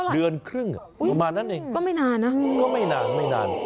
เลือนครึ่งอะเหมือนนั้นเองก็ไม่นาน